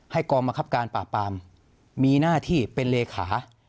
กองบังคับการปราบปรามมีหน้าที่เป็นเลขา